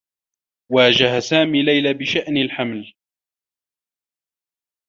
واجه سامي ليلى بشأن الحمل.